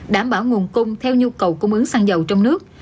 đảm bảo nguồn cung theo nhu cầu cung ứng sang giàu trong nước